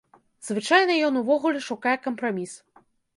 Звычайна ён увогуле шукае кампраміс.